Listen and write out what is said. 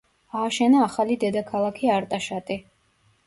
ააშენა ახალი დედაქალაქი არტაშატი.